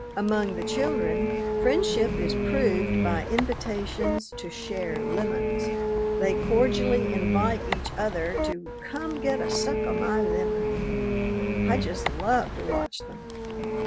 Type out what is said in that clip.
Among the children friendship is proved by invitations to share lemons. They cordially invite each other to "come get a suck o' my lemon." I just love to watch them.